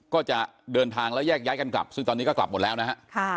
ก็จะเดินทางแล้วแยกย้ายกันกลับซึ่งตอนนี้ก็กลับหมดแล้วนะฮะ